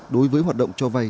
đối với hoạt động cho vay